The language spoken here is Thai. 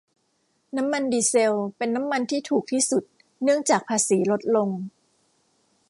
น้ำมันดีเซลเป็นน้ำมันที่ถูกที่สุดเนื่องจากภาษีลดลง